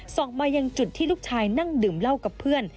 ส่งมายังจุดที่ลูกชายนั่งดื่มเหล้ากับเพื่อน